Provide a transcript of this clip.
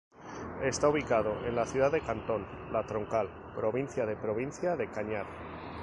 Está ubicado en la ciudad de Cantón La Troncal, provincia de Provincia de Cañar.